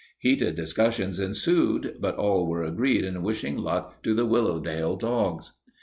Heated discussions ensued, but all were agreed in wishing luck to the Willowdale dogs.